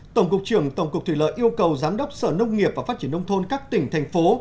tổng cục trưởng tổng cục thủy lợi yêu cầu giám đốc sở nông nghiệp và phát triển nông thôn các tỉnh thành phố